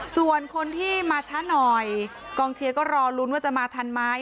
ส่วนคนที่มาช้าหน่อยกองเชียร์ก็รอลุ้นว่าจะมาทันไหม